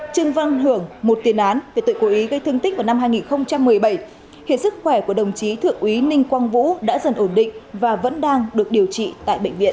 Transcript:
trương văn hưởng một tiền án về tội cố ý gây thương tích vào năm hai nghìn một mươi bảy hiện sức khỏe của đồng chí thượng úy ninh quang vũ đã dần ổn định và vẫn đang được điều trị tại bệnh viện